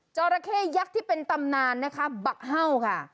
จอระเข้ยักษ์ที่เป็นตำนานบัคเฮ่าค่ะ